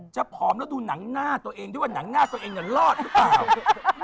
ผอมแล้วดูหนังหน้าตัวเองด้วยว่าหนังหน้าตัวเองเนี่ยรอดหรือเปล่า